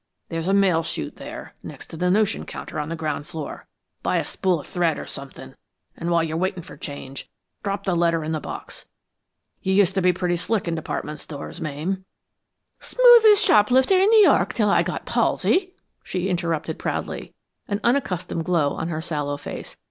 There's a mail chute there, next the notion counter on the ground floor. Buy a spool of thread or somethin', and while you're waitin' for change, drop the letter in the box. You used to be pretty slick in department stores, Mame " "Smoothest shoplifter in New York until I got palsy!" she interrupted proudly, an unaccustomed glow on her sallow face.